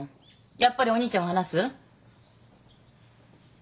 やっぱりお兄ちゃんが話す？